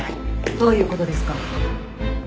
どういう事ですか！？